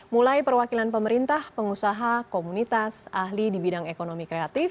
mulai perwakilan pemerintah pengusaha komunitas ahli di bidang ekonomi kreatif